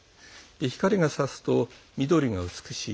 光がさすと緑が美しい。